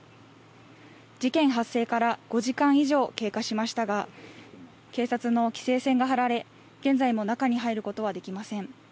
事件発生から５時間以上経過しましたが警察の規制線が張られ現在も中に入ることはできません。